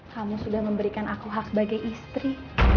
kamu sudah memberikan aku hak sebagai istri